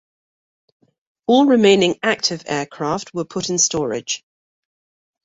All remaining active aircraft were put in storage.